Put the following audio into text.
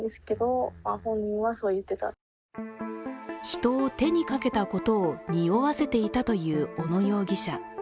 人を手にかけたことを匂わせていたという小野容疑者。